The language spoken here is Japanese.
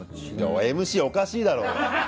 ＭＣおかしいだろ！